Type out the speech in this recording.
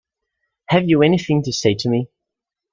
Have you anything to say to me?